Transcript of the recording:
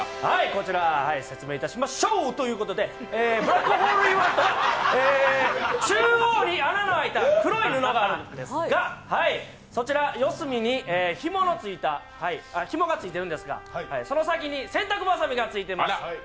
こちら説明いたしましょう！ということで「ブラックホールホンワン」とは中央に穴が開いた黒い布があるんですがそちら四隅にひもがついているんですが、その先に洗濯ばさみがついてます。